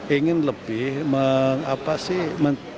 ingin lebih apa sih